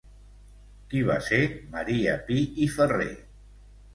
Qui va ser Maria Pi i Ferrer?